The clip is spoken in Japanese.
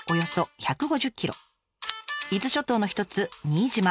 伊豆諸島の一つ新島。